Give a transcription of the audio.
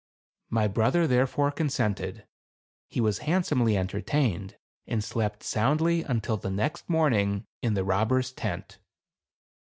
My brother therefore consented. He was handsomely entertained, and slept soundly until the next morning, in the robber's tent.